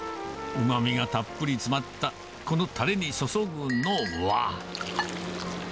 うまみがたっぷり詰まったこのたれに注ぐのは。